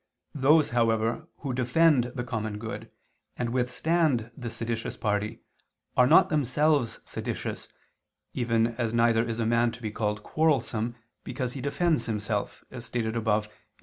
Those, however, who defend the common good, and withstand the seditious party, are not themselves seditious, even as neither is a man to be called quarrelsome because he defends himself, as stated above (Q.